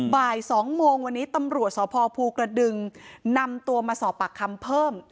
บ่าย๒โมงวันนี้ตำรวจสพภูกระดึงนำตัวมาสอบปากคำเพิ่ม